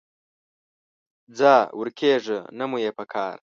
ځه ورکېږه، نه مو یې پکار